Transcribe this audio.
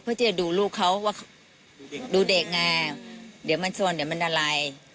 เพื่อที่จะดูลูกเขาว่าดูเด็กไงเดี๋ยวมันชวนเดี๋ยวมันอะไร